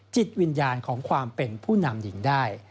จิตวิญญาณของความเป็นผู้นำหญิงได้